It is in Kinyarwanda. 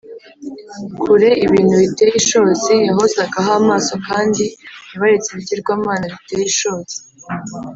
kure ibintu biteye ishozi yahozagaho amaso kandi ntibaretse ibigirwamana biteye ishozi